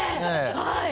はい。